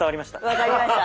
分かりました。